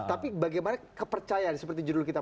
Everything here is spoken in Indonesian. tapi bagaimana kepercayaan seperti judul kita